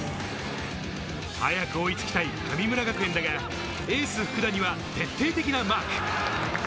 早く追いつきたい神村学園だが、エース・福田には徹底的なマーク。